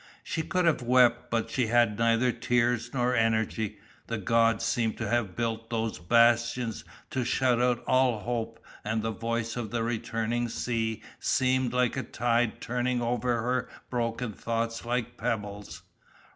She could have wept but she had neither tears nor energy. The gods seemed to have built those bastions to shut out all hope and the voice of the returning sea seemed like a tide turning over her broken thoughts like pebbles.